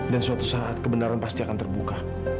dan suatu saat kebenaran pasti akan terbuka